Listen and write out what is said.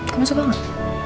kamu suka gak